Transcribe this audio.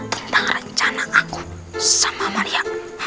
tentang rencana aku sama maria